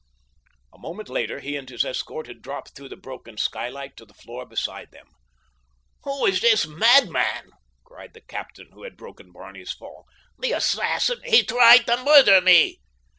A moment later he and his escort had dropped through the broken skylight to the floor beside them. "Who is the mad man?" cried the captain who had broken Barney's fall. "The assassin! He tried to murder me."